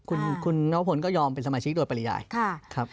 คุณน้องพลก็ยอมเป็นสมาชิกโดยปริญญาณ